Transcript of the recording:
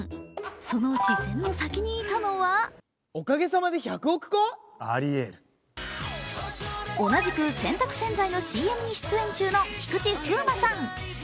その視線の先にいたのは同じく洗濯洗剤のＣＭに出演中の菊池風磨さん。